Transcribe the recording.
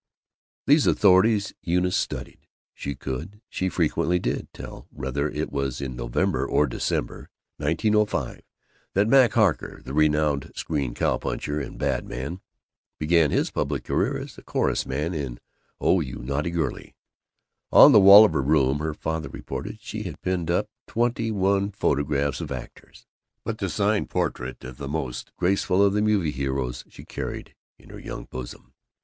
These authorities Eunice studied. She could, she frequently did, tell whether it was in November or December, 1905, that Mack Harker, the renowned screen cowpuncher and badman, began his public career, as chorus man in "Oh, You Naughty Girlie." On the wall of her room, her father reported, she had pinned up twenty one photographs of actors. But the signed portrait of the most graceful of the movie heroes she carried in her young bosom.